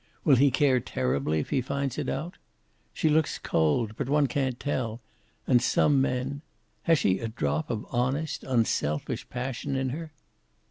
Will he care terribly if he finds it out? She looks cold, but one can't tell, and some men has she a drop of honest, unselfish passion in her?"